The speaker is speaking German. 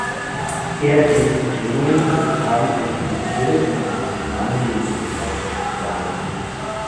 Er gibt Empfehlungen zur Verpaarung einzelner Tiere, um einen optimalen Genpool aufrechtzuerhalten.